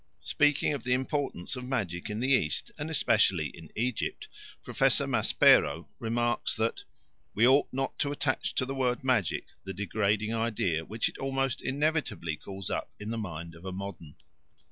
Speaking of the importance of magic in the East, and especially in Egypt, Professor Maspero remarks that "we ought not to attach to the word magic the degrading idea which it almost inevitably calls up in the mind of a modern.